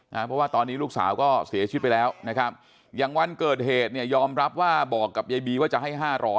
เพราะว่าตอนนี้ลูกสาวก็เสียชีวิตไปแล้วนะครับอย่างวันเกิดเหตุเนี่ยยอมรับว่าบอกกับยายบีว่าจะให้๕๐๐